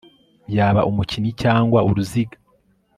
Yaba umukinnyi cyangwa uruziga